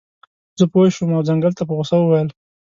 زه پوه شم او ځنګل ته په غوسه وویل.